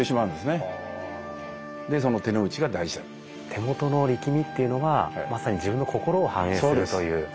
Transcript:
手元の力みっていうのはまさに自分の心を反映するという。